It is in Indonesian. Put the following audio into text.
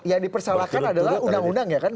yang dipersalahkan adalah undang undang ya kan